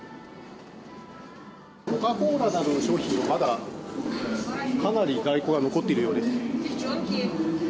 コカ・コーラなどの商品まだかなり在庫が残っているようです。